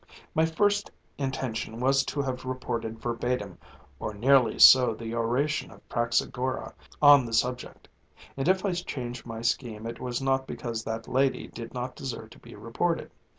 My first intention was to have reported verbatim or nearly so the oration of Praxagora on the subject; and if I changed my scheme it was not because that lady did not deserve to be reported.